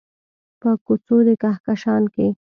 په کوڅو د کهکشان کې